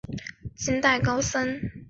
清代高僧。